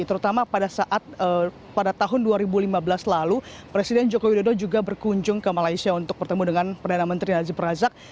terutama pada tahun dua ribu lima belas lalu presiden joko widodo juga berkunjung ke malaysia untuk bertemu dengan perdana menteri nazib razak